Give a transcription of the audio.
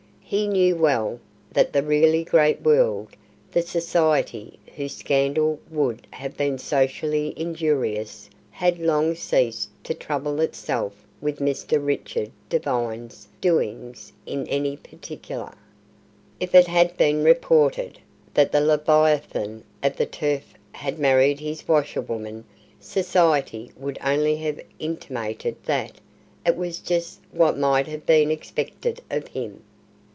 He knew well that the really great world, the Society, whose scandal would have been socially injurious, had long ceased to trouble itself with Mr. Richard Devine's doings in any particular. If it had been reported that the Leviathan of the Turf had married his washerwoman, Society would only have intimated that "it was just what might have been expected of him".